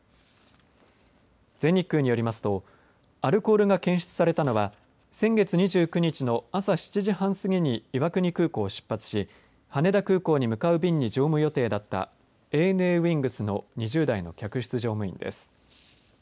全日空によりますとアルコールが検出されたのは先月２９日の朝７時半過ぎに岩国空港を出発し羽田空港に向かう便に乗務予定だったＡＮＡウイングスの２０代の客室乗務員です。